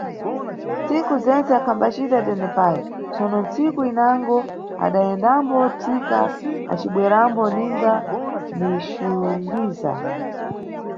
Ntsiku zentse akhambacita tenepayu, tsono ntsiku inango adayendambo thika acibwerambo ninga ni Xundiza.